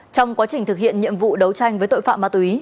trong quá trình thực hiện nhiệm vụ đấu tranh với tội phạm ma túy